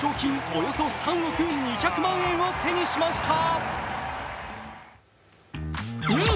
およそ３億２００万円を手にしました。